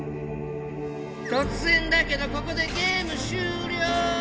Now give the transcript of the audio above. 突然だけどここでゲーム終了！